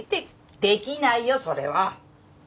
できないよそれは。